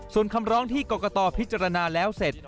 ส่วนคำร้องที่กรกตพิจารณาแล้วเสร็จ